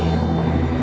sampai jumpa lagi